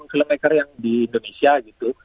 filmmaker yang di indonesia gitu